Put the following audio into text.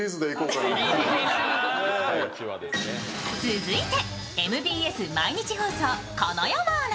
続いてＭＢＣ毎日放送金山アナ。